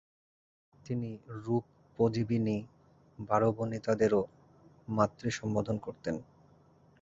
তিনি রূপপোজীবিনী বারবণিতাদেরও মাতৃসম্বোধন করতেন।